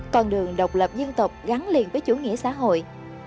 con đường độc lập dân tộc gắn liền với chủ nghĩa xã hội